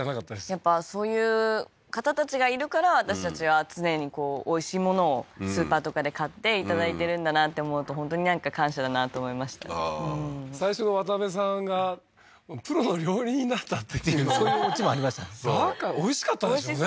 やっぱそういう方たちがいるから私たちは常にこうおいしいものをスーパーとかで買っていただいてるんだなって思うと本当になんか感謝だなと思いました最初の渡辺さんがプロの料理人だったってそういうオチもありましたねおいしかったでしょうね